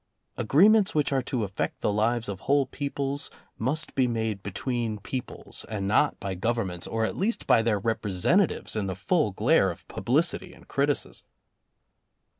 Agreements which are to affect the lives of whole peoples must be made between peoples and not by Governments, or at least by their representatives in the full glare of publicity and criticism.